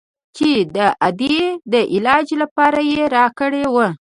چې د ادې د علاج لپاره يې راکړى و.